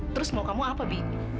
terus mau kamu apa bi